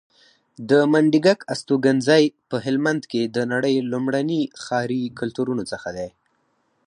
د منډیګک استوګنځی په هلمند کې د نړۍ لومړني ښاري کلتورونو څخه دی